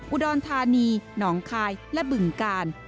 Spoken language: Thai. อุดรธานีหนองคายและบึงกาล